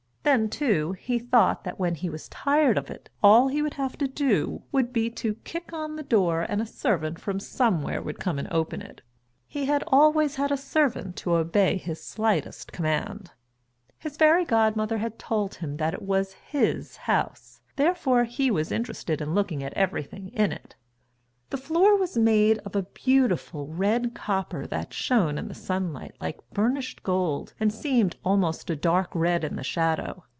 Then, too, he thought that when he was tired of it, all he would have to do would be to kick on the door and a servant from somewhere would come and open it he had always had a servant to obey his slightest command. His fairy godmother had told him that it was his house, therefore he was interested in looking at everything in it. The floor was made of a beautiful red copper that shone in the sunlight like burnished gold and seemed almost a dark red in the shadow.